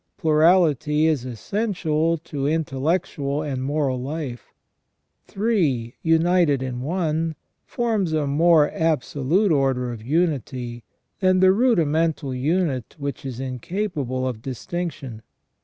Plurality is essential to intellectual and moral life. Three united in one forms a more absolute order of unity than the rudimental unit which is incapable of distinction.